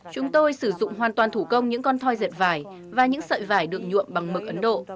chúng tôi sử dụng hoàn toàn thủ công những con thoi dệt vải và những sợi vải được nhuộm bằng mực ấn độ